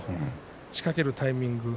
仕掛けるタイミングですね。